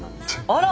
あら！